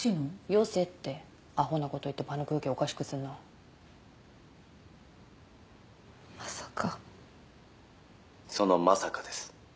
よせってアホなこと言って場の空気おかしくすんのまさか「そのまさかです」